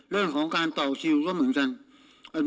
เรื่องของการต่อคิวก็เหมือนกัน